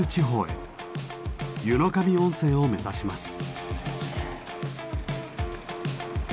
湯野上温泉を目指します。